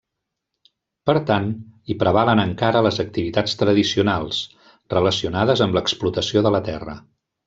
Per tant, hi prevalen encara les activitats tradicionals, relacionades amb l'explotació de la terra.